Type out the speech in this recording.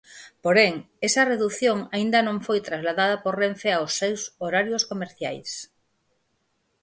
Porén, esa redución aínda non foi trasladada por Renfe aos seus horarios comerciais.